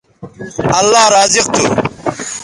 اللہ رازق تھو